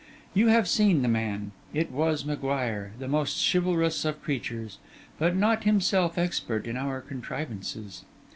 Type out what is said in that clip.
You have seen the man: it was M'Guire, the most chivalrous of creatures, but not himself expert in our contrivances.